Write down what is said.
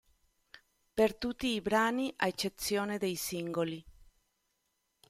Per tutti i brani a eccezione dei singoli